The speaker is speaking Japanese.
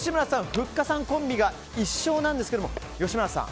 ふっかさんコンビが１勝ですが吉村さん